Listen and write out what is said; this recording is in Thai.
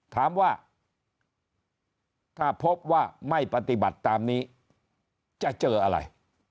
ถามว่าถ้าพบว่าไม่ปฏิบัติตามนี้จะเจออะไร